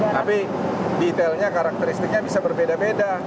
tapi detailnya karakteristiknya bisa berbeda beda